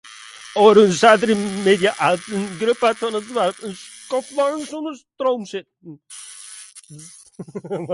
Ofrûne saterdeitemiddei hat in grut part fan it doarp in skoftlang sûnder stroom sitten.